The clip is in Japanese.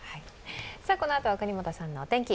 このあとは國本さんのお天気。